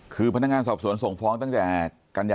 คือพนักงานสอบสวนส่งฟ้องตั้งแต่กันยา